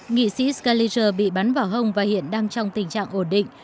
nghị sĩ galiger bị bắn vào hông và hiện đang trong tình trạng ổn định